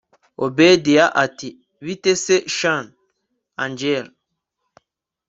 obedia ati bite se shn angella